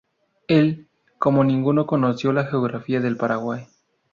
Él, como ninguno, conoció la geografía del Paraguay.